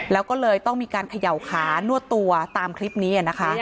แล้วก็เลยต้องมีการเขย่าขานวดตัวตามคลิปนี้นะคะ